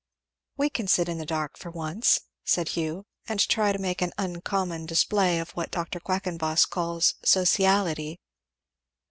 "We can sit in the dark for once," said Hugh, "and try to make an uncommon display of what Dr. Quackenboss calls 'sociality.'"